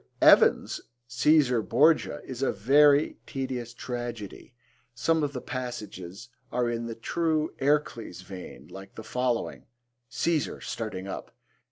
Mr. Evans's Caesar Borgia is a very tedious tragedy. Some of the passages are in the true 'Ercles' vein,' like the following: CAESAR (starting up).